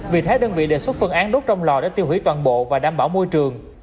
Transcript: vì thế đơn vị đề xuất phương án đốt trong lò để tiêu hủy toàn bộ và đảm bảo môi trường